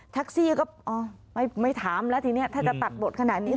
ก็ไม่ถามแล้วทีนี้ถ้าจะตัดบทขนาดนี้